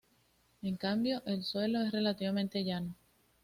En cambio, el suelo es relativamente llano.